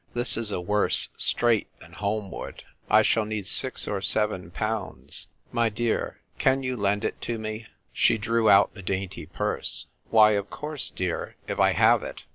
This is a worse strait than Holmwood. I shall need six or seven pounds. My dear, can you lend it to me ?" 26o THE TYPE WRITER GIRL. She drew out the dainty purse. "Why, of course, dear, if I have it.